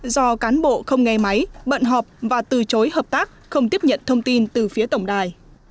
do cán bộ không nghe máy bận họp và từ chối hợp tác không tiếp nhận thông tin từ phía tổng đài